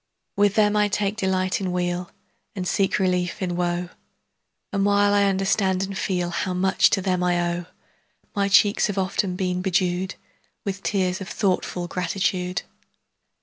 With them I take delight in weal And seek relief in woe; And while I understand and feel How much to them I owe, 10 My cheeks have often been bedew'd With tears of thoughtful gratitude.